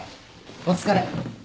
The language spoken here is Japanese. お疲れ。